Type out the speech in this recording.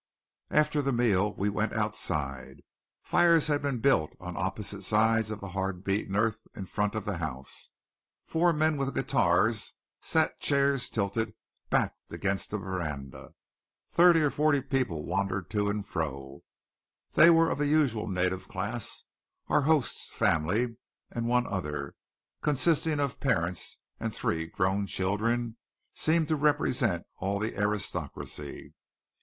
After the meal we went outside. Fires had been built on opposite sides of the hard beaten earth in front of the house. Four men with guitars sat chair tilted, backed against the veranda. Thirty or forty people wandered to and fro. They were of the usual native class; our host's family, and one other, consisting of parents and three grown children, seemed to represent all the aristocracy.